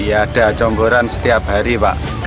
iya ada jomboran setiap hari pak